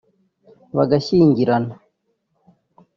bagashyingirana